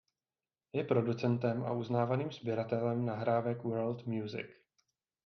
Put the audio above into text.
Je producentem a uznávaným sběratelem nahrávek world music.